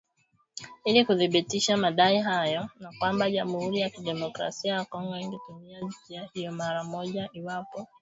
ili kuthibitisha madai hayo na kwamba jamuhuri ya kidemokrasia ya Kongo ingetumia njia hiyo mara moja iwapo